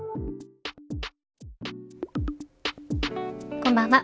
こんばんは。